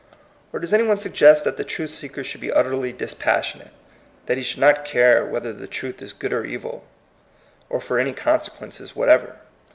Or does any one suggest that the truth seeker should be utterly dispassionate, that he should not care whether the truth is good or evil, or for any consequences what ever?